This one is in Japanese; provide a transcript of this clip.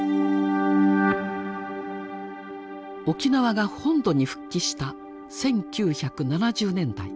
沖縄が本土に復帰した１９７０年代。